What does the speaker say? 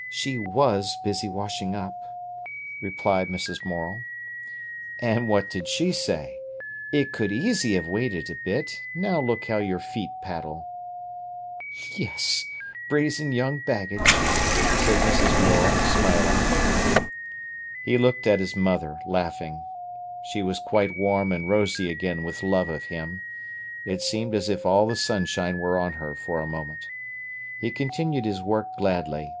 '" "She was busy washing up," replied Mrs. Morel. "And what did she say? 'It could easy have waited a bit. Now look how your feet paddle!'" "Yes—brazen young baggage!" said Mrs. Morel, smiling. He looked at his mother, laughing. She was quite warm and rosy again with love of him. It seemed as if all the sunshine were on her for a moment. He continued his work gladly.